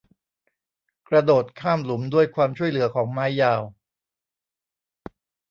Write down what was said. กระโดดข้ามหลุมด้วยความช่วยเหลือของไม้ยาว